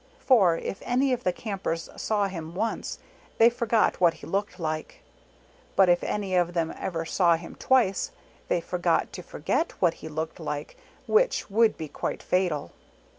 For if any of the Campers saw him once, they forgot what he looked like; but if any of them ever saw him twice they forgot to forget what he looked like which would be quite fatal.